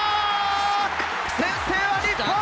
先制は、日本！